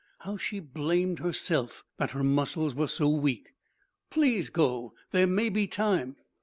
How she blamed herself that her muscles were so weak! "Please go! There may be time."